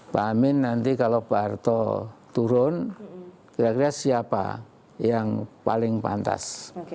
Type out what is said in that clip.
pak amin nanti kalau pak harto turun kira kira siapa yang paling pantas